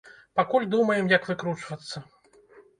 Пакуль думаем, як выкручвацца.